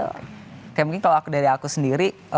kayak mungkin kalau dari aku sendiri